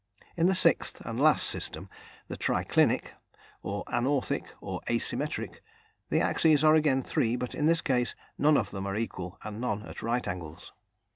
In the sixth and last system, the triclinic or anorthic, or asymmetric the axes are again three, but in this case, none of them are equal and none at right angles.